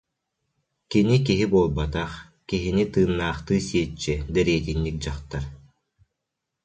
Кини киһи буолбатах, киһини «тыыннаахтыы сиэччи» дэриэтинньик дьахтар